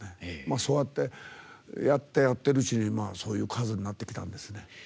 そうやってやってるうちにそういう数になってきたんですね。